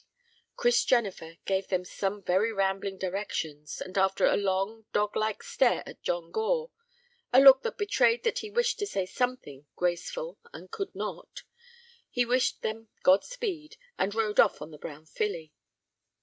Chris Jennifer gave them some very rambling directions, and after a long, dog like stare at John Gore—a look that betrayed that he wished to say something graceful and could not—he wished them God speed, and rode off on the brown filly.